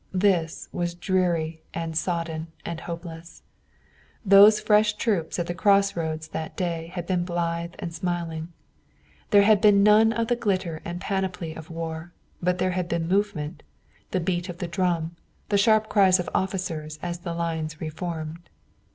This was dreary and sodden and hopeless. Those fresh troops at the crossroads that day had been blithe and smiling. There had been none of the glitter and panoply of war, but there had been movement, the beating of a drum, the sharp cries of officers as the lines re formed.